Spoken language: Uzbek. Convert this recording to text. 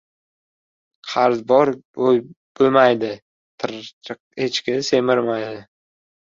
• Qarzi bor boyimaydi, tirraqi echki semirmaydi.